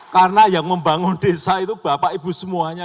karena yang membangun desa itu bapak ibu semuanya